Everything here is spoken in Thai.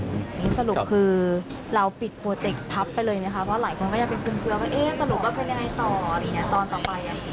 สรุปคือเราปิดโปรเจกต์พับไปเลยเนี่ยครับเพราะหลายคนก็ยังเป็นคุณเพื่อว่าสรุปก็เป็นยังไงต่อตอนต่อไป